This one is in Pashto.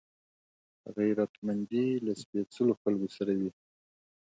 غیرتمند له سپېڅلو خلکو سره وي